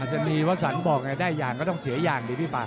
อาจจะมีวัฒนบอกได้อย่างก็ต้องเสียอย่างดิพี่ป่า